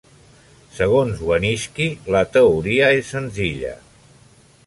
Segons Wanniski, la teoria és senzilla.